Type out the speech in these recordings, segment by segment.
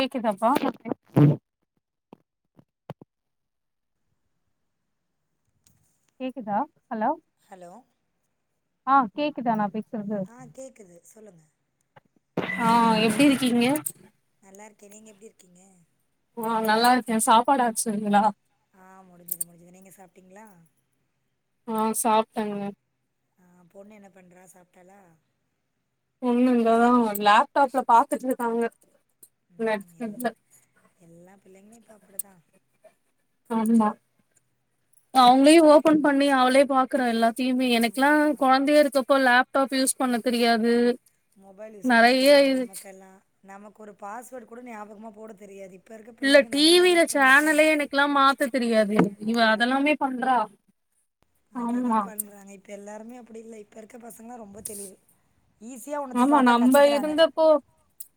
கேக்குதாப்பா கேக்குதா hello hello ஆ கேக்குதா நா பேசறது ஆ கேட்குது சொல்லுங்க ஆ எப்டி இருக்கீங்க நல்லாருக்க நீங்க எப்புடி இருக்கீங்க ஆ நல்லாருக்க சாப்பாடு ஆச்சுங்களா ஆ முடிஞ்சுது முடிஞ்சுது நீங்க சாப்டீங்களா ஆ சாப்டேங்க ஆ பொண்ணு என்ன பண்றா சாப்டாலா பொண்ணு இங்கதா லேப்டாப்ல பாத்துட்ருக்காங்க ம் எல் எல்லா பிள்ளைங்களு இப்ப அப்டிதா ஆம்மா என்ன அவுங்களே பண்றது ஓபன் பண்ணி அவளே பாக்கறா எல்லாத்தயுமே ஆமா எனக்லா ஆமா கொழந்தையா இருக்கப்ப லேப் டாப் யூஸ் பண்ண தெரியாது மொபைல் யூஸ் பண்ண நெறைய தெரியாது இது நமக்கெல்லா நமக்கு ஒரு பாஸ்வேர்ட் கூட ஞாபகமாக போட தெரியாது இப் இல்ல டி வில சேனலே எனக்கெல்லா மாத்த தெரியாது இவ அதா அதெல்லாமே பண்றா அதுதா ஆமா பண்றாங்க இப்ப எல்லாருமே அப்புடி இல்ல இப்ப இருக்க பசங்க ரொம்போ தெளிவு ஈஸியா ஒன்னத்த பாத்தா கத்துக்கறாங்க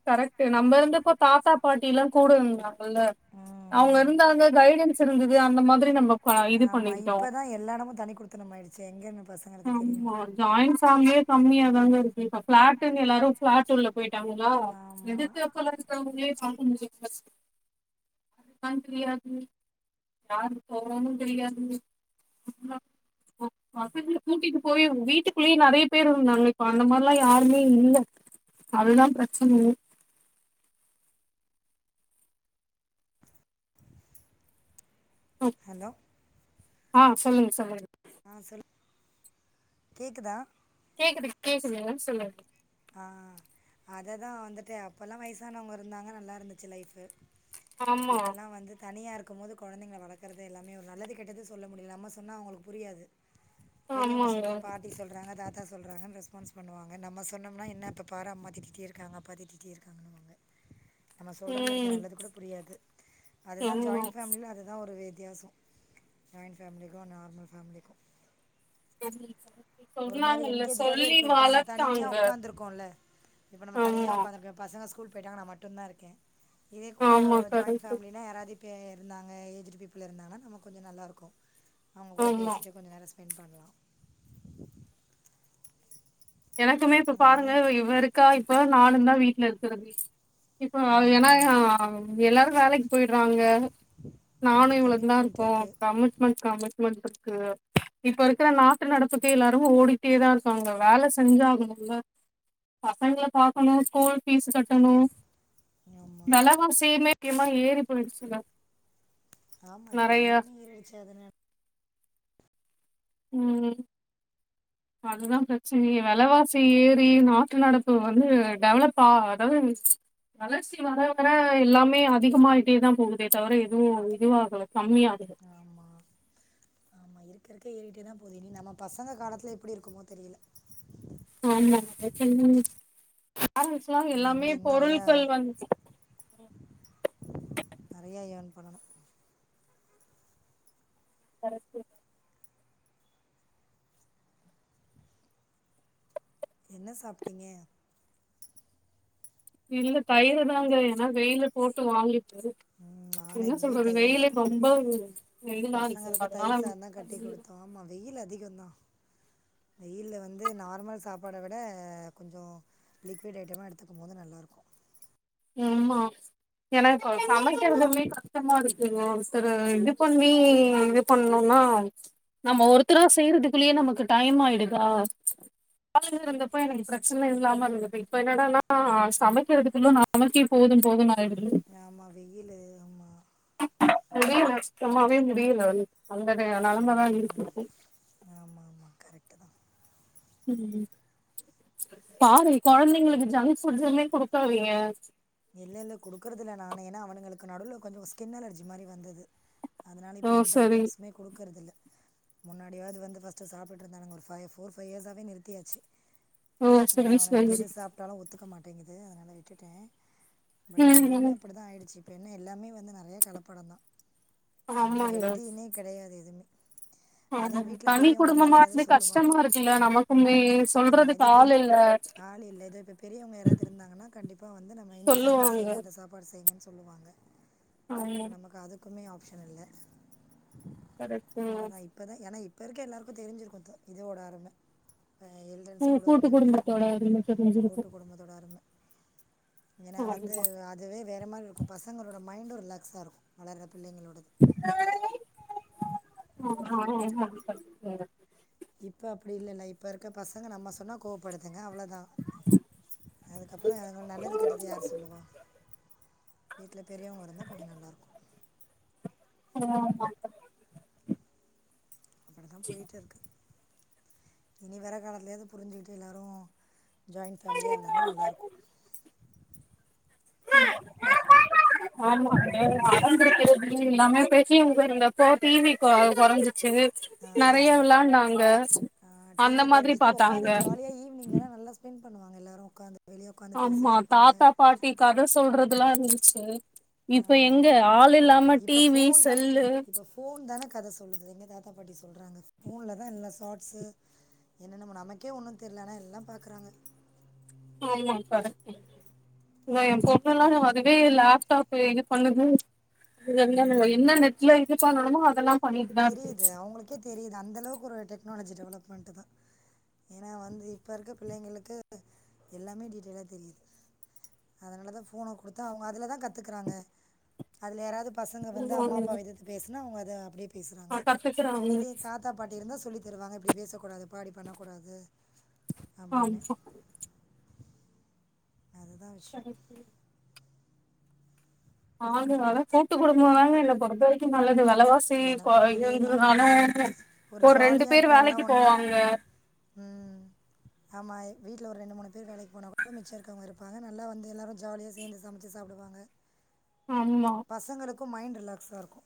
கரெக்ட்டு நம்ம இருந்தப்போ தாத்தா பாட்டி எல்லா கூட இருந்தாங் அவுங்க ம் இருந்தாங்க கைடன்ஸ் இருந்துது அந்த மாதிரி நம்ம ப இது ஆமா பண்ணிக்கிட்டோம் இப்பதா எல்லா எடமு தனிக்குடித்தனமயிடுச்சே எங்க இருந்து பசங்களுக்கு தெரியு ஜாயின் ஃபேம்லியே கம்மியா தாங்க இருக்கு இப்ப பிளாட்டுங்க எல்லாரு பளாட்டூல்ல போயிட்டாங்களா ஆமா. எதுத்தாப்லா இருக்கவுங்களயே பாக்க முடியரதுல்ல பைர்ஸ்ட் யாரு இருக்கானு தெரியாது யாரு போறானு தெரியாது [inaudible] இப்ப பசங்களயு கூட்டிட்டு போய் வீட்டுக்குள்ளயே நிறைய பேரு இருந்தாங்க இப்ப அந்த மாரில்லா யாருமே இல்ல அதுதா பிரச்சனையே ஹலோ ஆ சொல்லுங்க சொல்லுங்க ஆ சொல்லு கேக்குதா கேக்குது கேக்குதுங்க சொல்லுங் ஆ அததா வந்துட்டு அப்பெல்லா வயசானவங்க இருந்தாங்க நல்லாருந்துச்சு லைஃப்பு ஆமா இப்பெல்லா வந்து தனியா இருக்கும் போது கொழந்தைங்க வளக்கறது எல்லாமே ஒரு நல்லது கெட்டது சொல்ல முடியல நம்ம சொன்னா அவங்களுக்கு புரியாது பெரியவங்க ஆமாங்க சொன்னா பாட்டி சொல்றாங்க தாத்தா சொல்றாங்கன்னு ரெஸ்பான்ஸ் பண்ணுவாங்க நம்ம சொன்னோம்னா என்ன எப்ப பாரு அம்மா திட்டிடே இருக்காங்க அப்பா திட்டிடே இருக்காங்கன்னுவாங்க நம்ம ம் சொல்றதுல இருக்க நல்லது கூட புரியாது அதுதா ஆமா ஜாயின்ட் ஃபேமிலில அதுதா ஒரு வித்தியாசோ ஜாயின்ட் ஃபேமிலிக்கு நார்மல் ஃபேமிலிக்கு [inaudible] ஒரு மாரி சொன்னாங்கல்ல என்கேஜ்டாவே சொல்லி இருக்கோ இப்ப நம்ம தனியா வளத்தாங்க உக்காந்துருக்கோல இப்ப நம்ம தனியா ஆமா உக்காந்துட் பசங்க ஸ்கூல் போயிட்டாங்கனா நா மட்டுந்தா இருக்கே இதே கூட ஆமா ஜாயின் கரெக்ட் ஃபேமிலினா யாராது இப்ப இருந்தாங்க ஏஜ்டு பீப்பிள் இருந்தாங்கன்னா நமக் கொஞ்சோ நல்லாருக்கு அவுங்க கூட ஆமா பேசிட்டு கொஞ்ச நேரோ ஸ் பெண்ட் பண்லா எனக்குமே இப்ப பாருங்க அதுதான் இவ இருக்கா இப்ப நானுந்தா வீட்ல இருக்குறதே இப்போ ஏன்னா ம், எல்லாரு வேலைக்கு போயிடுறாங்க நானு நம்ம இவளுந்தா கமிட்மெண்ட் இருக்கோ இருக்குது கமிட்மெண்ட் கமிட்மெண்ட் க்கு இப்ப இருக்கற நாட்டு நடப்புக்கே எல்லாரு ஓடிட்டேதா இருக்காங்க வேல செஞ்சாகணும்ல பசங்க பாக்கணு ஸ்கூல் பீஸ்சு கட்டணும் ஆமாம் வெல வாசியுமே அதிகமா ஏறி போயிடுச்சுல்ல ஆமா இப்ப எல்லாமே எரிடிச்சு அதனால ம் அதுதான் பிரச்சனையே வெலவாசி ஏறி நாடாடு நடப்பு வந்து டெவலப்பா அதாவது வளர்ச்சி வர வர எல்லாமே அதிகமாயிட்டே தா போகுதே தவிர எதுவு இதுவாகல கம்மிய ஆகால ஆமா இருக்க இருக்க ஏறிட்டே தா போது இனி நம்ம பசங்க காலத்துல எப்டி இருக்குமோ தெரில ஆமா என்ன பண்ண [unintelligible] அவங்க எல்லாமே பொருட்கள் வந்து நறைய இயேன் பண்ணணு கரெக்ட்டு என்ன சாப்ட்டீங்க இல்ல தயிரு தாங்க ஏன்னா வெயிலு போட்டு வாங்கிட்டு நாங்கள் என்ன இங்கேயும் சொல்றது தயிர் வெயிலு தான் ரொம்ப வெயிலா இருக்கு அதனால ஆமா வெயில் அதிகம் தா வெயில்ல வந்து நார்மல் சாப்பாட விட கொஞ்சோ லிக்விட் ஐட்டமாக எடுத்துக்கும் போது நல்லாயிருக்கு ஆமா எனக்கு சமைக்குரதுமே கஷ்டமா இருக்குங்க ஒருத்தர இது பண்ணி இது பண்ணுனா நம்ம ஒருத்தரா செய்யறதுக்குள்ளயே நமக்கு டைம் ஆயிடுதா ஆளுங்க இருந்தப்ப எனக்கு பிரச்சன இல்லாம இருந்தது இப்ப என்னடன்னா சமைக்கிறதுக்கு நமக்கே போது போது ஆயிடுது ஆமா வெயிலு ஆமா முடியல சுத்தமாவே முடியல வந்து அந்தடைய நலமதா இருக்கு ஆமாம ஆமா கரெக்ட்டு தா ம் பாரு கொழந்தைங்களுக்கு ஜங்க் ஃபுட்ஸ்மே குடுக்காதீங்க இல்ல இல்ல குடுக்குறதுல்ல நானே ஏன்னா அவுனுங்களுக்கு நடுல் கொஞ்சோ ஸ்கின் அலர்ஜி மாரி வந்தது அதனால இப்போ ஓ எந்த சரி ஐட்டம்ஸ்மே குடுக்குறத இல்ல முன்னாடியாவது வந்து ஃபஸ்உ்டு சாப்டுட்டு இருந்தாங்க ஒரு ஃபை ஃபோர் ஃபவ் இயர்ஸாவே நிறுதியாச்சு ஓ ஏன்னா சரி அவுனுகளுக்கு சரி எது சாப்ட்டாலு ஒத்துக்க மாட்டேங்குது அதனால விட்டுட்ட பட் இப்போ ம் எல்லாமே ம் அப்டிதா ஆயிடுச்சு இப்ப என்ன எல்லாமே வந்து நெறைய கலப்படம் தா அதனால ஆமாங்க ஹெல்தினே கெடையாது எதுவுமே ஆமாங் அதான் வீட்டில் தனி பெரியவங்க குடும்பமா இருந்தாலும் ஏதாவது இருந்து சொல்லுவாங்க கஷ்டமா இருக்குல்ல நமக்குமே ஆமாம் சொல்றதுக்கு இதே ஆள் பெரிய இல்ல ஆள் இல்ல இதே இப்ப பெரியவுங்க யாராவது இருந்தாங்கன்னா கண்டிப்பா வந்து நம்ம இந்த சாப்பாடு சொல்லுவாங்க செய்ங்க அந்த சாப்பாடு செய்ங்கன் சொல்லுவாங்க ஆமா இங்க நமக்கு அது க௲குமே ஆப்ஷன் இல்ல கரெக்ட்டு இப்ப தா ஏன்னா இப்போ இருக்க எல்லாருக்க தெரிஞ்சிருக்கு த இதோட அரும ஆ எல்டெர்ஸ் ம் கூட கூட்டு இருந்தா எப்டி இருக்கு குடும்பத்தோட அரும தெரிஞ்சிருக்கு கூட்டு குடும்பத்தோட அரும ஏன்னா ஆமா வந்து அதுவே வேறு மாரி இருக்கு பசங்களோட மைண்டு ரிலாக்ஸாக இருக்கு வளர்ற பிள்ளைங்களோட [unintelligible] இப்போ அப்டி இல்லல்ல இப்ப இருக்க பசங்க நம்ம சொன்னா கோவப்படுத்துங்க அவ்ளோதா அதுக்கப்றோ யாரு நல்லது கெட்டது யார் சொல்லுவா வீட்ல பெரியவங்க இருந்தா கொஞ்சோ நல்லாயிருக்கு [unintelligible] அப்டி தா போயிட்டு இருக்கு இனி வர காலத்துலயாது புரிஞ்சுக்கிட்டு எல்லாரு ஜாயின் ஃபேமிலியா இருந்தாங்னா நல்லாருக்கு. [unintelligible] ஆமா [inaudible] எல்லாமே பெரிவிங்க இருந்தப்போ டி வி கொ கொறஞ்சிச்சு. நறைய ஆமாம் விளாண்டாங்க அந்த மாதிரி பாத்தாங்க. ஏ ஈவ்னிங்ல எல்லா நல்லா ஸ்பென் பண்ணுவாங்க எல்லாரு உக்காந்து வெளிய உக்காந்து பேசிட்ருப்பாங்க. டி கத சொல்றதுல்லா இர்ந்துச்சு. இப்ப எங்க ஆமாம் ஆள் இல்லாம இப்போ டி வி ஃபோன் தான் செல்லு இப்போ ஃபோன் தான கத சொல்லுது எங்க தாத்தா பாட்டி சொல்றாங்க ஃபோன்ல்லதா எல்லா ஷாட்ஸு என்னென்னமோ நமக்கே ஒன்னு தெர்ல ஆனா எல்லாம் பாக்குறாங்க. ஆமா கரெக்ட்டு தா எம் இப்போ பொண்ணுல்லா அப்படி தான் வது இப்யே இ லேப்டாப்பு இது பண்ணுது இதெல்லாமே வை என்ன ம். நெட்ல இது பண்ணணுமோ அதெல்லாம் தெரிது அவுங்குளுக்கே தெரிது அந்த அளவுக்கு ஒரு டெக்னாலஜி டெவலெப்மெண்ட்டு தா. ஏனா வந்து இப்ப இருக்க பிள்ளைங்களுக்கு எல்லாமே டீட்டெய்லா தெரிது. அதனால தா ஃபோன குடுத்தா அவுங்க அதுல தா கத்துக்கறாங்க அதுல யாராதுப் பசங்க வந்து அம்மா இருக்கு அப்பாவ எதித்து பேசினா அவுங்க அத அப்டியே பேசுறாங்க. கத்துக்குறாங்க இதே தா தாத்தா பாட்டி இருந்தா சொல்லி தருவாங்க இப்பிடி பேசக்கூடாதுப்பா அப்டி பண்ணக்கூடாது. ஆம் அப்படின்னு ஹ. அதுதா விஷ் கரெக்ட்டு. ஆ அதனால கூட்டு குடும்பந்தாங்க என்ன பொறுத்த வரைக்கு நல்லது வெலவா சி எனக்கும் அதே தான் கொறயுங்கற்னால ம். ஒரு ஒர் ரெண்டு ஜாலியாக பேர் இருக்கும் வேலைக்கு எல்லாம் ஒன்றா போவாங்க. ம் ஆமா எ வீட்ல ஒர் ரெண்டு மூணு பேர் வேலைக்கு போனா கூட மிச்ச இருக்கவங்க இருப்பாங்க நல்லா வந்து எல்லாரு ஜாலியா சேந்து ஸ் சமைச்சு சாப்டுவாங்க. ஆமா. பசங்களுக்கும் மைண்ட் ரிலாக்ஸா இருக்கு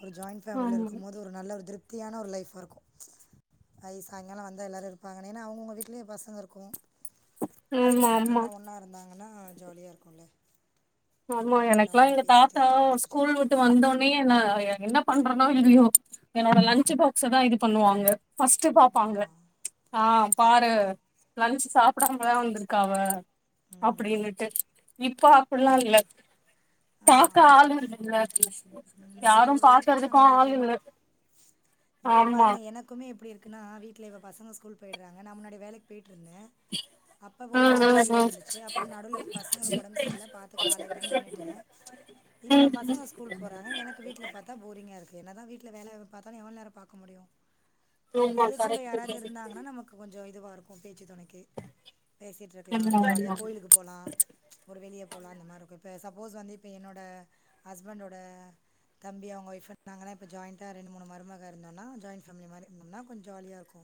ஒரு ஜாயின் ஃபேமில்ல ஆமா இருக்கும்போது ஒரு நல்ல ஒரு திருப் த்தியான ஒரு லைஃபாருக்கு. ஐ சாயங்காலோ வந்தா எல்லாரு இருப்பாங்களேனு அவுங்கவுங்க வீட்லியு பசங்க இருக்கு. ஆமா ஆமா எல்லா ஒன்னா இருந்தாங்கன்னா ஜாலியா இருக்குல்ல. ஆமா எனக்லா எங்க தாத்தா பேசிட்டு அரட்டை அடிச்சிட்டு ஸ்கூல் உ ட்டு வந்தொன்னே என்ன எ என்ன பண்றனோ இல்லியோ என்னோட லன்ச்சு பாக்ஸ்தா இது பண்ணுவாங்க. ஃபஸ்ட்டு பாப்பாங்க. ஆமாம் ஆ பாரு லன்ச்சு சாப்படாமதா வந்திருக்கா அவ. அப்பிடீனுட்டு இப்ப அப்டிலா இல்ல ஆமா. ஆமா பாக்க ஆள் இல்லல்ல ம் அது யாரு ஒரு லைஃப்தா பாக்கறதுக்கு ஆனா ஆள் நெஜமா. இல்ல இப்ப ஆமா பாருங்க என க்குமே எப்டி இருக்குன்னா வீட்ல ப்ப பசங்க ஸ்கூல் போயிட்றாங்க நா முன்னாடி வேலைக் பேய்ட்டிருந்தே. அப்ப ஒரு ம் மாரி ம் ஃப்ரீயா ம் இருந்துச்சு அப்புறோ நடுவுல பசங்களுக்கு ஒடம் செர்ல பாத்துக்க ஆளில்லன் நின்னுட்டே. இப்ப பசங்க ஸ்கூல் போறாங்க எனக் கு வீட்ல பாத்தா போரிங்கா இருக்கு என்னதா வீட்ல வேலையவ் பாத்தாலு எவள் நேரோ பாக்க முடியு. ஆமா இதே கூட கரெக்ட் யாராவது இருந்தாங்கனா நமக்கு கு கொஞ்சோ இதுவா இருக்கு பேச்சு தொணைக்கு பேசிட்டிருக்கலா ஆமா ஜாலியா ஆமா கோயிலுக்கு போலா ஒரு வெளிய போலா அந்த மார்ருக்கு இப்ப சப்போஸ் வந்து இப் இப்ப என்னோட ஹஸ்பண்டோட தம்பி அவங்க ஒஃப் இருந்தாங்கனா இப்போ ஜாய்ண்டா ரெண்டு மூணு மருமக இருந்தோனா ஜாயின்ட் ஃபேமிலி மாரி இருந்தோனா கொஞ்ச ஜாலியா இருக்கு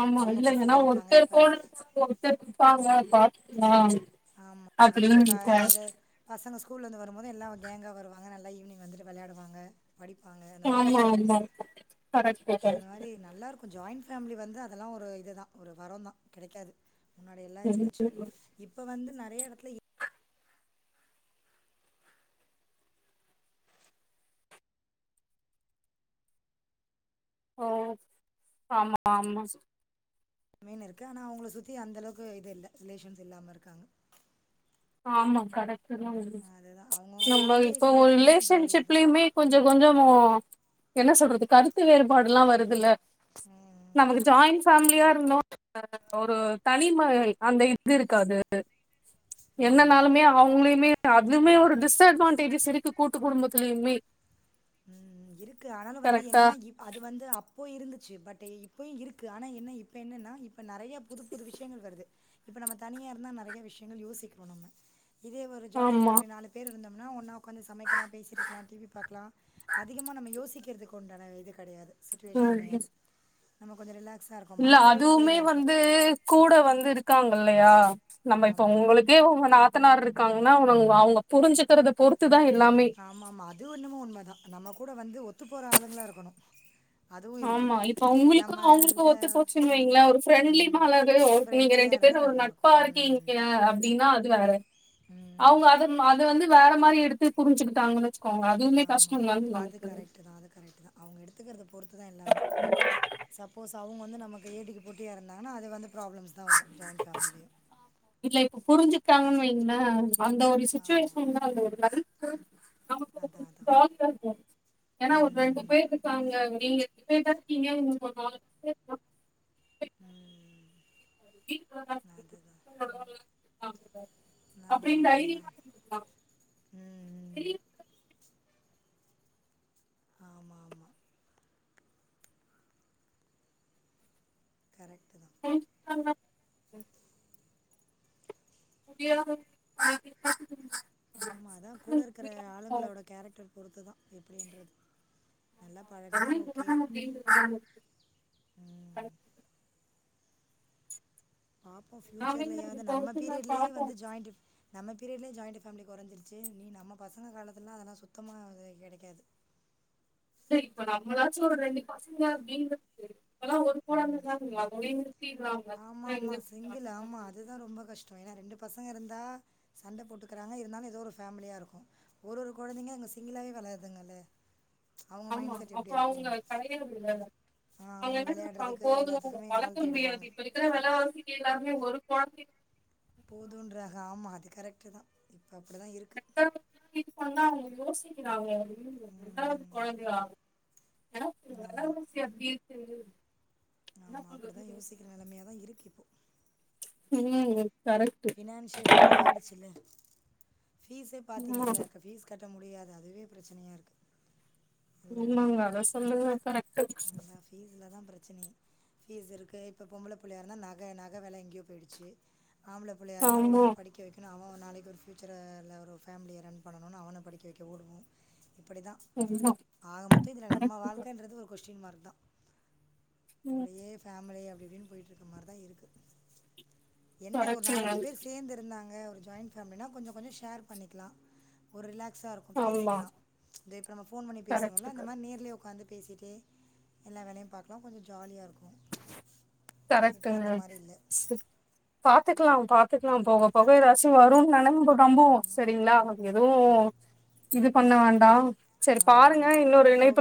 ஆமா அவங்க பசங்க இல்லைங்கன்னா இருப்பாங்க ஒருத்தர் இப்ப போடு ஒருத்தர்பாங்க பாத்துக்லா ஆமா இப்ப கா அது பசங்க ஸ்கூல இருந்து வரும்போது எல்லா ஒரு கேங்கா வருவாங்க நல்ல ஈவினிங் வந்துட்டு விளாடுவாங்க படிப்பாங்க அந்த மாரி ஆமா இருக்கு ஆமா கரெக்ட் அந்த கரெக்ட் மாரி நல்லாருக் கு ஜாயிண் ஃபேமிலி வந்து அதெல்லா ஒரு இதுதா ஒரு வரோந்தா கெடைக்காது முன்னாடியெல்லா இருந்துச்சி இப்ப வந்து நெறைய எடத்துல ஓ ஆமா ஆமா மீன் இருக்கு ஆனா அவங்கள சுத்தி அந்தளவுக்கு இது இல்ல ரிலேஷன்ஸ் இல்லாம இருக்காங்க ஆமா கரெக்டுதா வந்து அதுதான் அவங்கவுங்க நம்ம ஃபேமிலி இப்ப கூட ஒரு இருக்கும்போது ஜாலியாக தான் ரிலேஷன்ஷிப்லையுமே கொஞ்ச கொஞ்ச என்ன சொல்றது கருத்து வேறுபாடு எல்லா வருதுல்ல இருக்கும் நமக்கு ஜாயிண் ஃபேமிலியா இருந்தோ ஆ ஒரு தனிம அந்த இது இருக்காது ஆமாம் என்னனாலுமே அவங்களையுமே அதுமே ஒரு டிஸ்அட்வான்டேஜஸ் இருக்கு கூட்டு குடும்பத்துலையுமே ம் இருக்கு ஆனாலு வந்து என்னன்னா இப் அது வந்து அப்போ இருந்துச்சு பட் இப்பயு இருக்கு ஆனா என்ன இப்ப என்னன்னா இப்ப நெறைய புதுப்புது விஷ்யங்கள் வருது இப்ப நம்ம தனியா இருந்தா நெறைய விஷ்யங்கள் யோசிக்கிறோ நம்ம இதே ஒரு ஜாயின் ஆமா ஃபேமிலி நாலு பேர் இருந்தோம்னா ஒன்னா உக்காந்து சமைக்கலா பேசிட்டிருக்கலா டிவி பாக்கலா அதிகமா நம்ம யோசிக்கிறதுக்கு உண்டான இது கடையாது சுட்டிவேஷன் ம் அமையாது நம்ம கொஞ்ச ரிலாக்ஸா இருக்கோ இல்ல மைண்ட் அளவுல அதுவுமே க்ளியரா இருக்கு வந்து கூட வந்து இருக்காங்கில்லையா நம்ம இப்ப ஆமா. உங்களுக்கே உங்க நாத் த்தனாறு இருக்காங்கன்னா அவுங்க அவுங்க புரிஞ்சிக்கிறத பொறுத்து தா எல்லாமே ஆமாமா அது ஒன்னமோ உண்ம தா நம்ம கூட வந்து ஒத்து போற ஆளுங்களா இருக்கணு ஆமா இப்ப உங்களுக்கு அவங்களுக்கு நம்மள்ட்ட ஒத்து போச்சுன்னு வைங்களே ஒரு ஃப்ரெண்ட்லி ம் மாலகு ஒரு நீங்க ஃப்ரெண்ட்லியா ரெண்டு பேரு இருந்தா ஒரு நல்லாருக்கு நட்பா ம் இருக்கீங்க அப்டீன்னா அது வேற ம் அவுங்க அத ம அத வந்து வேற மாரி எடுத்து புரிஞ்சிக்கிட்டாங்கன்னு வச் ஆமா அது கரெக்டு தா அது கரெக்டு தா அவுங்க எடுத்துக்கறத பொறுத்து தா எல்லாமே சப்போஸ் அவுங்க வந்து நமக்கு ஏடிக்கி போட்டியா இருந்தாங்கன்னா அது வந்து ப்ராப்ளம்ஸ் தா வரு ஜாயின் ஃபேமிலிலையு இல்லை இப்ப புரிஞ்சிக்ட்டாங்கன் வைங்ளே அந்த ஒரு ஆமா சுச்சுவேஷன் தா அதுல ஒரு நறுக்கு அதா நமக்கு அதா ஜாலியா இருக்கு ஏன்னா ஒரு ரெண்டு ம் பேர் ம் இருக்காங்க நீங்க ரெண்டு பேர்தானே இருக்கீங்க உங்களுக்கு ஒரு நாலு பேர் போ ம் வீ கேர் ஹாஸ்பிடல் [unintelligible] ஆமா அப்டினு அப்படிதா தைரியமா [unintelligible] ம் ம் வெளிய ஆமா ஆமா கரெக்டுதா [unintelligible] [unintelligible] ஆமா அதா கூட இருக்கிற முடியாது. ஆளுங்களோட கேரக்டர் பொறுத்து தா எப்டின்றது நல்லா பழகுனா எல்லாமே ஓகே குணம் அப்படின்றது ம் பாப்போ எல்லாமே ஃபியூச்சர்லயாது நம்ம பொறுத்து தான் பீரியடுலயே பார்ப்போம் வந்து ஜாயிண்டு நம்ம பீரியட்ல ஜாயி்டு ஃபேமிலி குறஞ்சிருச்சு இனி நம்ம பசங்க காலத்துலலா அதலா சுத்தமா கெடைக்காது இல்ல இப்ப நம்மளாச்சும் ஒரு ரெண்டு பசங்க அப்டினுதா அப்பல்லா ஒரு போல ம் இருந்துருந்தாங்க அதோடையு நிறுத்திட்றாங்க எங்க இல்ல ஆமா அதுதா ரொம்ப கஷ்டோ ஏன்னா ரெண்டு பசங்க இருந்தா சண்ட போட்டுக்கிறாங்க இருந்தாலு ஏதோ ஒரு ஃபேமிலியா இருக்கோ ஒரு ஒரு கொழந்தைங்க அங்க சிங்கிளாகவே வளர்துங்கல்ல அவுங்க அப்ப அவுங்க கெடையாதில்ல ஆ, அவங்கள அவுங்கென்னா அப்ப அவ விளையாடுறதுக்கு போது எல்லாத்துக்குமே ஆள் வளக்கனுமே தேடுவாங்க அதுக்கு இப்ப இருக்குற வெலவாசிக்கு எல்லாருமே ஒரு கொழந்தை போதுன்றாக ஆமா அது கரெக்ட்டு தா இப்ப அப்டி தா இருக் அக்க பக்க இது பண்ணா அவுங்க யோசிக்கிறாங்க யாரு ம் கொழந்தையா என்ன தோழி ஆமாம் வெலவாசி அப்டி இருக்கு என்ன ஆமா அப்டிதா பண்றதுன்னு யோசிக்கிற நெலைமையா தா இருக்கு இப்போ என்னங்க ஃபினான்ஷியல் அப்டி ஆயிடுச்சுல ஃபீஸே ஆமா பாத்தீங்கல்ல ஃபீஸ் கட்ட முடியாது அதுவே ப்ரச்சனையா இருக்கு உண்மங்க அத சொல்லுங்க கரெக்ட்டு ஃபீஸ்லதா ப்ரச்சனயே ஃபீஸ் இருக்கு இப்போ பொம்பள புள்ளையா இருந்தா நக நக வெல எங்கயோ போயிடுச்சு ஆம்புள புள்ளையா இருந்தா ஆமா ஒழுங்கா படிக் படிக்க வைக்கணு அவன் நாளைக்கு ஒரு ஃபயூச்சுருல ஒரு ஃபேமிலிய ரன் பண்ணனுன்னு அவன படிக்க வெக்க ஓடுவோ இப்புடிதா ஆமா ஆக மொத்தோ இதுல நம்ம கரெக்ட் வாழ்க்கன்றது ஒரு கொஷ்டின் மார்க் தா இப்டியே ஃபேமிலி அப்டி இப்டின்டு போயிட்ருக்க மாரிதா இருக்கு என்ன ஒரு கரெக்டுங்க நாலஞ்சு பேர் சேர்ந்து இருந்தாங்க ஒரு ஜாயின் ஃபே ஃபேமிலினா கொஞ்சோ கொஞ்சோ ஷேர் பண்ணிக்கலா ஒரு ரிலாக்ஸ்சா இருக்கு நம்ம ஆமா பேசிக்கலா இந்த இப்ப நம்ம ஃபோன் பண்ணி கரெக்ட் பேசுறோல்ல அந்த மாரி நேர்லயே உக்காந்து பேசிட்டு எல்லா வேலையு பாக்கலா கொஞ்ச ஜாலியா இருக்கு கரெக்டங்க சித் பாத்துக்கலாம் பாத்துக்கலாம் போக போக எதாச்சும் வருன்னு நெனம்போ நம்புவோ செரிங்ளா எதுவு இது பண்ண வேண்டா செரி ஆமாம் பாருங்க ஆமாம் இன்னொரு இணைப் ஓகே